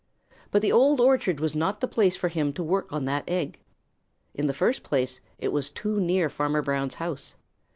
But the Old Orchard was not the place for him to work on that egg. In the first place, it was too near Farmer Brown's house.